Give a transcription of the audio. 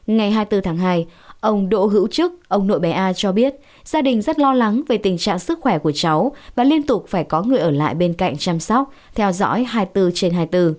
ngày hai mươi bốn tháng hai ông đỗ hữu chức ông nội bài a cho biết gia đình rất lo lắng về tình trạng sức khỏe của cháu và liên tục phải có người ở lại bên cạnh chăm sóc theo dõi hai mươi bốn trên hai mươi bốn